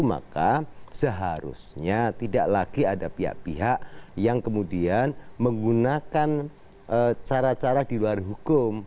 maka seharusnya tidak lagi ada pihak pihak yang kemudian menggunakan cara cara di luar hukum